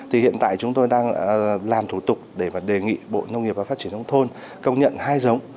thì hiện tại chúng tôi đang làm thủ tục để đề nghị bộ nông nghiệp và phát triển nông thôn công nhận hai giống